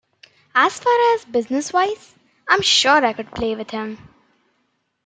As far as business-wise, I'm sure I could play with him.